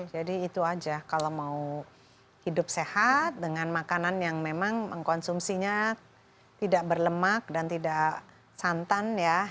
jadi itu aja kalau mau hidup sehat dengan makanan yang memang mengkonsumsinya tidak berlemak dan tidak santan ya